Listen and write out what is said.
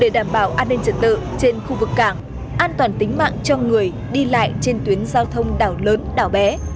để đảm bảo an ninh trật tự trên khu vực cảng an toàn tính mạng cho người đi lại trên tuyến giao thông đảo lớn đảo bé